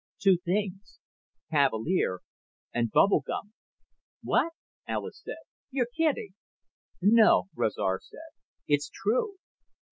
"Two things. Cavalier and bubble gum." "What?" Alis said. "You're kidding!" "No," Rezar said. "It's true.